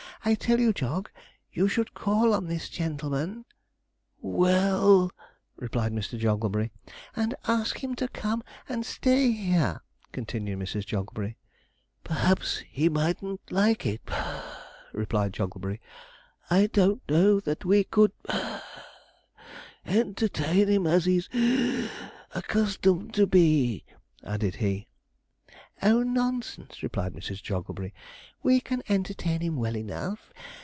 I tell you. Jog, you should call on this gentleman ' 'Well,' replied Mr. Jogglebury. 'And ask him to come and stay here,' continued Mrs. Jogglebury. 'Perhaps he mightn't like it (puff),' replied Jogglebury. 'I don't know that we could (puff) entertain him as he's (wheeze) accustomed to be,' added he. 'Oh, nonsense,' replied Mrs. Jogglebury; 'we can entertain him well enough.